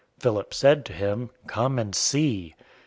Philip said to him, "Come and see."